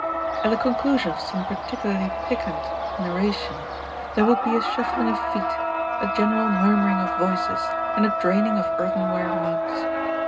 At the conclusion of some particularly piquant narration, there would be a shuffling of feet, a general murmuring of voices and a draining of earthenware mugs.